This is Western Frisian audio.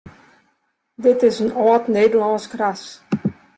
Dit is in âld Nederlânsk ras.